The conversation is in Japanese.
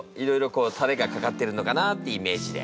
こうたれがかかってるのかなってイメージで。